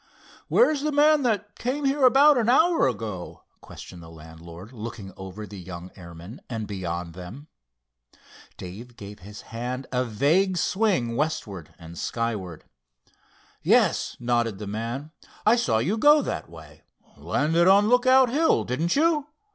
"Where's the man that came here about an hour ago?" questioned the landlord, looking over the young airmen and beyond them. Dave gave his hand a vague swing westward and skywards. "Yes," nodded the man, "I saw you go that way. Landed on Lookout Hill, didn't you?